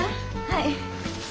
はい。